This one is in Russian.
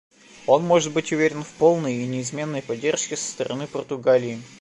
Он может быть уверен в полной и неизменной поддержке со стороны Португалии.